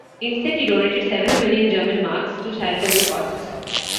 Instead, he donated several million German marks to charitable causes.